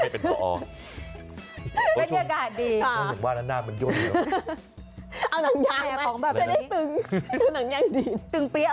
คุณก็จะเหมือนอาจารย์สอนลูกเสือ